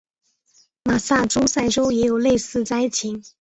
马萨诸塞州也有类似灾情。